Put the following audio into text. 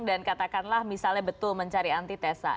dan katakanlah misalnya betul mencari anti tesa